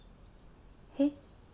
えっ？